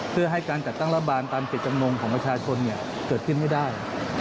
เพื่อให้การจัดตั้งรัฐบาลตามจิตจำนงของประชาชนเกิดขึ้นไม่ได้